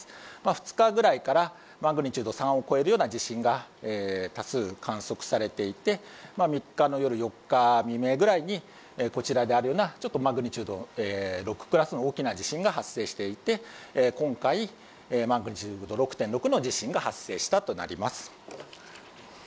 ２日ぐらいからマグニチュード３を超えるような地震が多数、観測されていて３日の夜、４日未明ぐらいにこちらであるようにマグニチュード６クラスの大きな地震が発生していて今回、マグニチュード６．６の地震が発生したとなります。